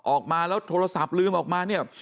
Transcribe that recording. ออกมาแล้วโทรศัพท์ลืมออกมาเนี่ย